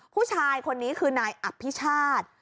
ผู้ชายคนนี้คือนายอภิชาติ